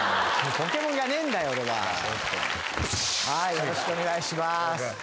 よろしくお願いします。